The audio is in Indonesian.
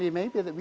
ya malah mungkin